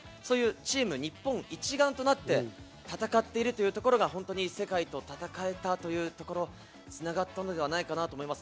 チーム日本一丸となって、戦っているというところが本当に世界と戦えたというところに繋がったのではないかなと思います。